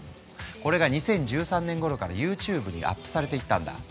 これが２０１３年ごろからＹｏｕＴｕｂｅにアップされていったんだ。